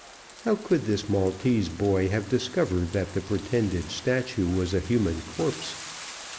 How could this Maltese boy have discovered that the pretended statue was a human corpse?